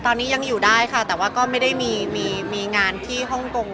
ตอนนี้ยังอยู่ได้ค่ะแต่ว่าก็ไม่ได้มีงานที่ฮ่องกง